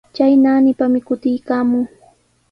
Chay naanipami kutiykaamun.